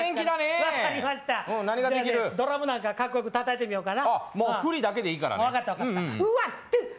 じゃあね、ドラムなんかかっこよくたたいてみようかな。